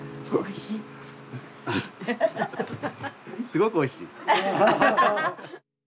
すごくおいしい。